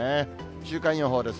週間予報です。